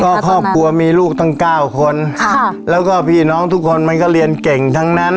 ก็ครอบครัวมีลูกตั้งเก้าคนค่ะแล้วก็พี่น้องทุกคนมันก็เรียนเก่งทั้งนั้น